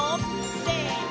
せの！